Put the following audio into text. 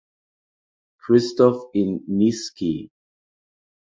Christoph in Niesky.